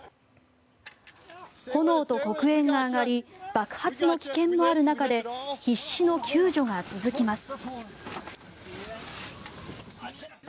炎と黒煙が上がり爆発の危険もある中で必死の救助が続きます。